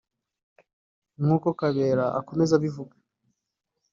nk’uko Kabera akomeza abivuga